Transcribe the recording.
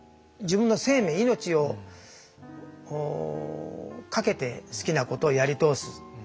自分の生命命をかけて好きなことをやり通す